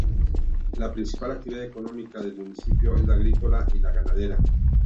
La principal actividad económica del municipio es la agrícola y ganadera.